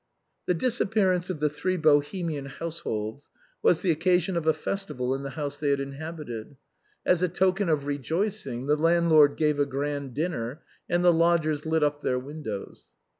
The disappearance of the three Bohemian households was the occasion of a festival in the house they had inhabitated. As a token of rejoicing the landlord gave a grand dinner, and the lodgers lit up their windows.